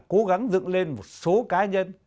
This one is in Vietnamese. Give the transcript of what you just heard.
cố gắng dựng lên một số cá nhân